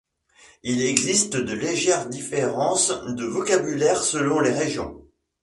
Il existe de légères différences de vocabulaire selon les régions.